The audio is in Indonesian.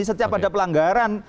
setiap ada pelanggaran